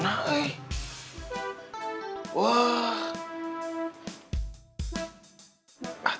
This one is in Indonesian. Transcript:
nanti terserah terserah